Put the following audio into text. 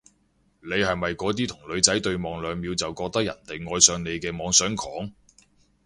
你係咪嗰啲同女仔對望兩秒就覺得人哋愛上你嘅妄想狂？